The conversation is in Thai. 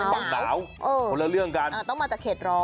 ยุโรปเป็นแบบเหลาตกละเรื่องกันต้องมาจากเขตร้อน